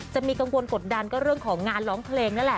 จะมีกังวลกดดันก็เรื่องของงานร้องเพลงนั่นแหละ